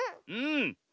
うん。